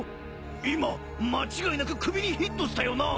今間違いなく首にヒットしたよな。